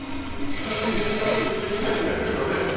通勤で使ってるって言いたいんですけどね。